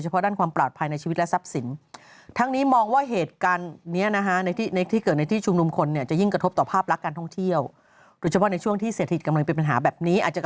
แฟนปืนในช่วงที่เศรษฐิตเป็นปัญหาแบบนี้